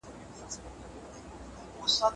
زه به سبا کتابتوني کار کوم.